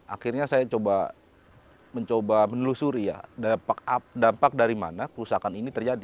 akhirnya saya coba mencoba menelusuri ya dampak dari mana kerusakan ini terjadi